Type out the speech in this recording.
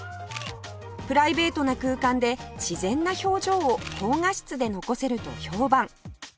プライベートな空間で自然な表情を高画質で残せると評判